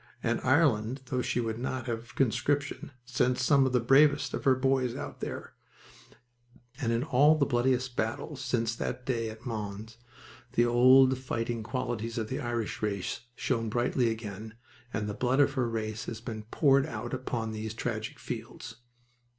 And Ireland, though she would not have conscription, sent some of the bravest of her boys out there, and in all the bloodiest battles since that day at Mons the old fighting qualities of the Irish race shone brightly again, and the blood of her race has been poured out upon these tragic fields.